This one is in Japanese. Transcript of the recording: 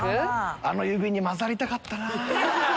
あの指に交ざりたかったな。